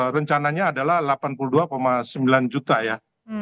rencananya adalah delapan puluh dua sembilan juta ya